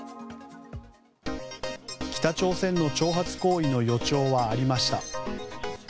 北朝鮮の挑発行為の予兆はありました。